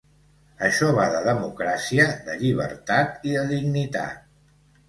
Això va de democràcia, de llibertat i de dignitat.